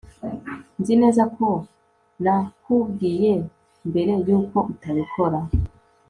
Nzi neza ko nakubwiye mbere yuko utabikora